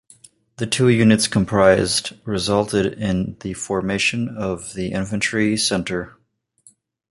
The two units comprised resulted in the formation of the Infantry Centre.